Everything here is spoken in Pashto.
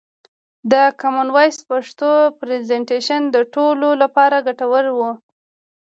د کومن وایس پښتو پرزنټیشن د ټولو لپاره ګټور و.